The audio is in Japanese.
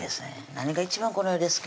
「何が一番この世で好き？」